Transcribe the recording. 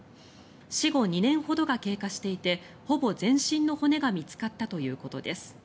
死後２年ほどが経過していてほぼ全身の骨が見つかったということです。